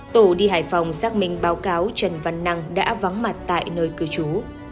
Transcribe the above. tổ đi hải phòng xác minh báo cáo trần văn năng đã vắng mặt tại nơi cư trú